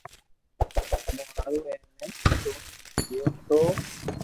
مون ھارو اي نو سوڙي دو تو